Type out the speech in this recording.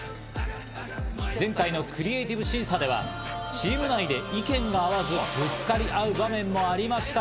前回のクリエイティブ審査では、チーム内で意見が合わずぶつかり合う場面もありました。